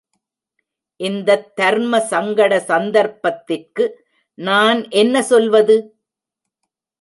இந்தத் தர்மசங்கட சந்தர்ப்பத்திற்கு நான் என்ன சொல்வது?